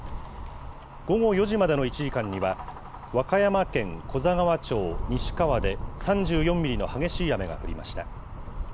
午後４時までの１時間には、和歌山県古座川町西川で３４ミリの激しい雨が降りました。